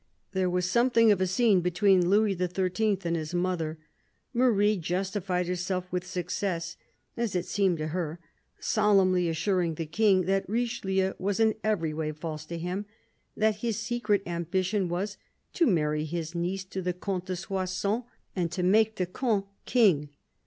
There was something of a scene between Louis XIII. and his mother. Marie justified herself with success, as it seemed to her, solemnly assuring the King that Richelieu was in every way false to him ; that his secret ambition was " to marry his niece to the Comte de Soissons and to THE CARDINAL 211 make the Comte King."